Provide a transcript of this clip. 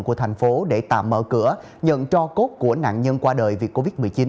của thành phố để tạm mở cửa nhận cho cốt của nạn nhân qua đời vì covid một mươi chín